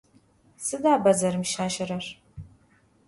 Sıda bedzerım şaşerer?